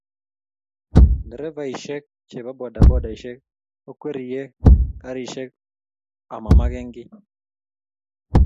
nderefaishek chebo bodabodaishek kokwerie karishek ama magenkiy